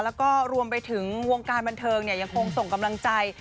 แล้วก็รวมไปถึงวงการบันเทิงยังคงส่งกำลังใจ